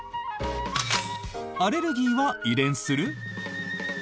アレルギーは遺伝する？